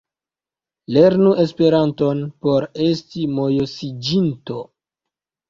Lernu Esperanton por esti mojosiĝinto!